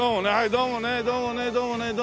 どうもねどうもねどうもね。